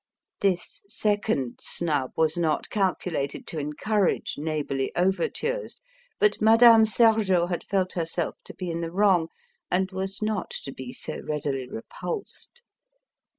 This second snub was not calculated to encourage neighbourly overtures, but Madame Sergeot had felt herself to be in the wrong, and was not to be so readily repulsed.